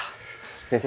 先生